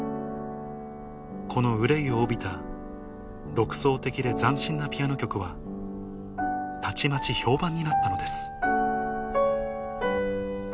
この憂いを帯びた独創的で斬新なピアノ曲はたちまち評判になったのです